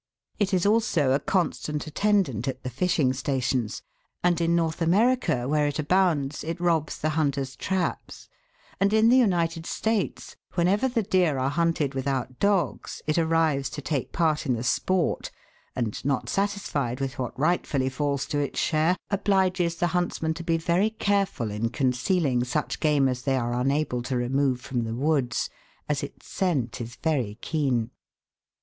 It is also a constant attendant at the fishing stations, and in North America, where it abounds, it robs the hunters' traps ; and in the United States, whenever the deer are hunted without dogs it arrives to take part in the sport, and, not satisfied with what rightfully falls to its share, obliges the huntsmen to be very careful in concealing such game as they are unable to remove from the woods, as its scent is very keen.